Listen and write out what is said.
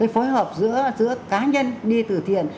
phối hợp giữa cá nhân đi từ thiện